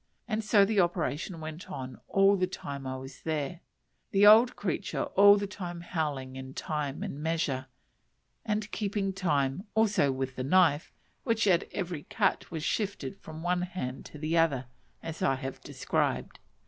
And so the operation went on all the time I was there; the old creature all the time howling in time and measure, and keeping time, also with the knife, which at every cut was shifted from one hand to the other, as I have described.